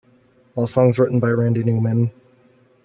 All songs written by Randy Newman.